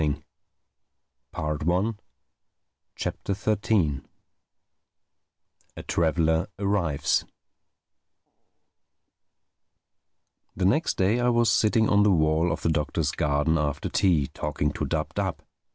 THE THIRTEENTH CHAPTER A TRAVELER ARRIVES THE next day I was sitting on the wall of the Doctor's garden after tea, talking to Dab Dab.